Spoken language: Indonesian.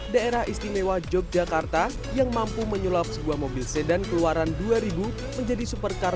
daerah istimewa yogyakarta yang mampu menyulap sebuah mobil sedan keluaran dua ribu menjadi supercar